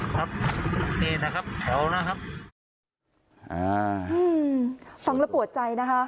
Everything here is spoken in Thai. ครับนี่นะครับแถวนะครับอ่าอืมฟังแล้วปวดใจนะคะ